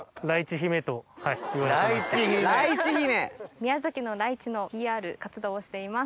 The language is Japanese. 宮崎のライチのＰＲ活動をしています。